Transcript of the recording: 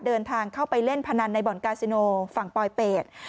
เดินทางเข้าไปเล่นพนันในบ่อนกาซิโนฝั่งปลอยเป็ด